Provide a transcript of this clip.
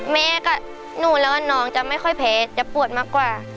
แม่กับหนูแล้วว่าน้องจะไม่ค่อยแพ้จะปวดมากกว่า